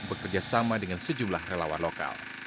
bekerjasama dengan sejumlah relawan lokal